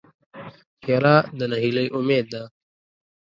پیاله د نهیلۍ امید ده.